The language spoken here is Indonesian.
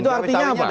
itu artinya apa